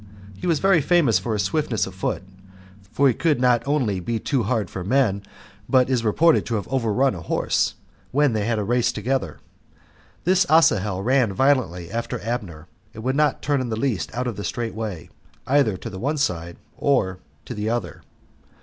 He was very famous for his swiftness of foot, for he could not only be too hard for men, but is reported to have overrun a horse, when they had a race together. This Asahel ran violently after Abner, and would not turn in the least out of the straight way, either to the one side or to the other.